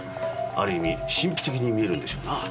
ある意味神秘的に見えるんでしょうなぁ。